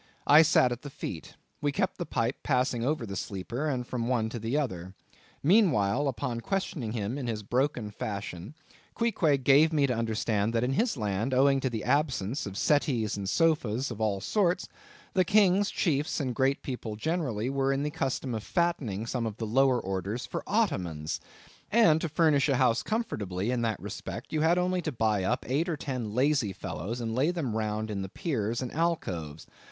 I sat at the feet. We kept the pipe passing over the sleeper, from one to the other. Meanwhile, upon questioning him in his broken fashion, Queequeg gave me to understand that, in his land, owing to the absence of settees and sofas of all sorts, the king, chiefs, and great people generally, were in the custom of fattening some of the lower orders for ottomans; and to furnish a house comfortably in that respect, you had only to buy up eight or ten lazy fellows, and lay them round in the piers and alcoves.